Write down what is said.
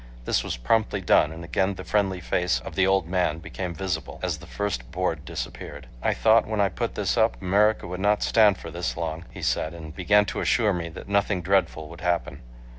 This was promptly done and again the friendly face of the old man became visible, as the first board disappeared. "I thought when I put this up America would not stand for this long," he said, and began to assure me that nothing dreadful would happen.